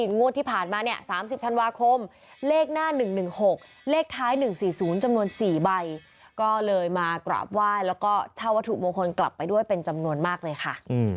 งวดที่ผ่านมาเนี่ย๓๐ธันวาคมเลขหน้า๑๑๖เลขท้าย๑๔๐จำนวน๔ใบก็เลยมากราบไหว้แล้วก็เช่าวัตถุมงคลกลับไปด้วยเป็นจำนวนมากเลยค่ะ